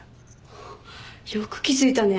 よく気付いたね。